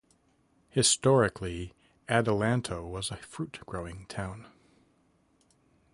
Historically Adelanto was a fruit-growing town.